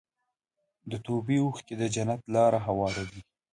د توبې اوښکې د جنت لاره هواروي.